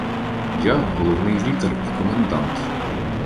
Я - головний лікар і комендант.